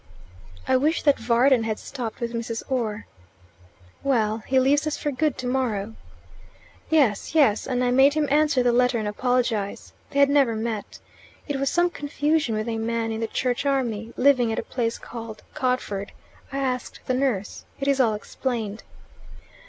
"I wish that Varden had stopped with Mrs. Orr." "Well, he leaves us for good tomorrow." "Yes, yes. And I made him answer the letter and apologize. They had never met. It was some confusion with a man in the Church Army, living at a place called Codford. I asked the nurse. It is all explained."